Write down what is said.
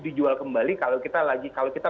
dijual kembali kalau kita lagi kalau kita